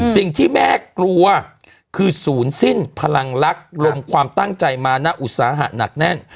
สิ่งที่แม่กลัวคือศูนย์สิ้นพลังรักลมความตั้งใจมาณอุตสาหะหนักแน่น